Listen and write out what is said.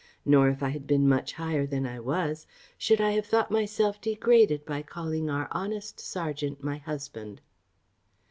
Nor if I had been much higher than I was, should I have thought myself degraded by calling our honest serjeant my husband."